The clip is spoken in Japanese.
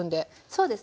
そうですね。